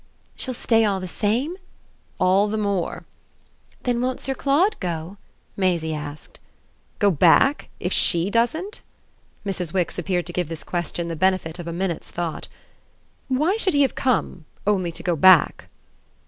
"She'll stay all the same?" "All the more." "Then won't Sir Claude go?" Maisie asked. "Go back if SHE doesn't?" Mrs. Wix appeared to give this question the benefit of a minute's thought. "Why should he have come only to go back?"